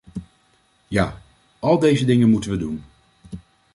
Ja, al deze dingen moeten we doen.